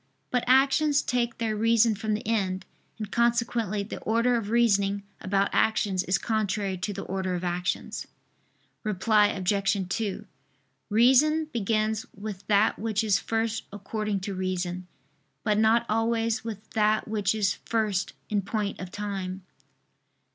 But actions take their reason from the end; and consequently the order of reasoning about actions is contrary to the order of actions. Reply Obj. 2: Reason begins with that which is first according to reason; but not always with that which is first in point of time.